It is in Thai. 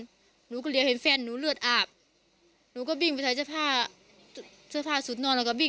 หนูก็เหลียวเห็นแฟนหนูเลือดอาบหนูก็บิ่งไปใช้เสื้อผ้าสุดนอนแล้วก็บิ่ง